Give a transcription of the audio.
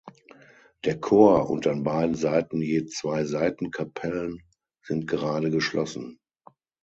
Der Chor und an beiden Seiten je zwei Seitenkapellen sind gerade geschlossen.